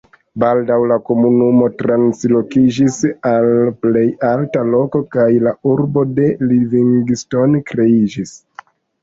Baldaŭ la komunumo translokiĝis al plej alta loko kaj la urbo de Livingstone kreiĝis.